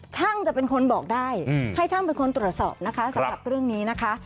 ช่างจะเป็นคนบอกได้ให้ช่างเป็นคนตรวจสอบนะคะสำหรับเรื่องนี้นะคะ